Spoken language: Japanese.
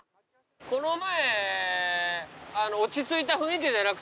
この前。